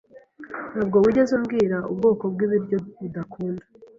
Ntabwo wigeze umbwira ubwoko bwibiryo udakunda.